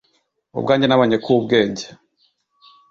ubwanjye nabonye ko ubwenge